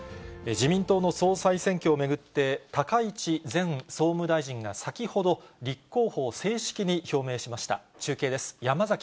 自民党の総裁選挙を巡って、高市前総務大臣が先ほど、立候補を正式に表明しました。